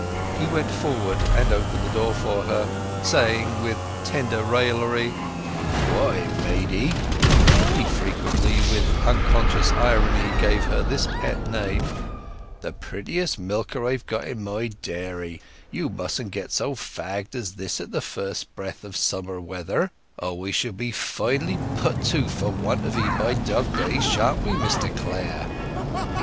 He went forward and opened the door for her, saying with tender raillery— "Why, maidy" (he frequently, with unconscious irony, gave her this pet name), "the prettiest milker I've got in my dairy; you mustn't get so fagged as this at the first breath of summer weather, or we shall be finely put to for want of 'ee by dog days, shan't we, Mr Clare?"